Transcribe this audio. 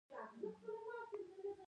څانگې خپل پلار ته خواړه راوړل.